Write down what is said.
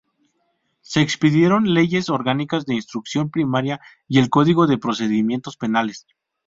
Se expidieron leyes orgánicas de instrucción primaria y el Código de Procedimientos Penales.